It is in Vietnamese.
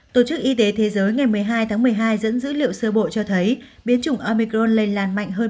tổ chức y tế thế giới ngày một mươi hai tháng một mươi hai dẫn dữ liệu sơ bộ cho thấy biến chủng omicron lây lan mạnh hơn